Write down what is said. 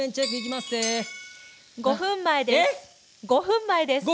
５分前です。